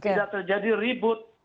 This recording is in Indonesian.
tidak terjadi ribut